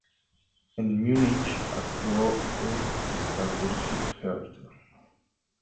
En Múnich actuó en el Staatstheater.